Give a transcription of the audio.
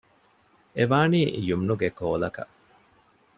އެވާނީ ޔުމްނުގެ ކޯލަކަށް